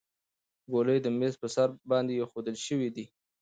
ګولۍ د میز په سر باندې ایښودل شوې دي.